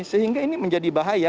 sehingga ini menjadi bahaya